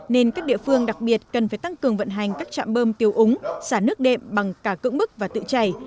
nên các địa phương đặc biệt cần phải tăng cường vận hành các trạm bơm tiêu úng xả nước đệm bằng cả cưỡng bức và tự chảy